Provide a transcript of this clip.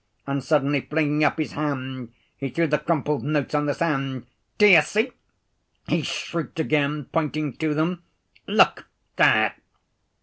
And suddenly flinging up his hand, he threw the crumpled notes on the sand. "Do you see?" he shrieked again, pointing to them. "Look there!"